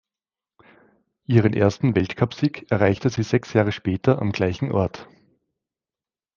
Ihren ersten Weltcupsieg erreichte sie sechs Jahre später am gleichen Ort.